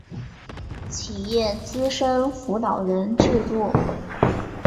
企业资深辅导人制度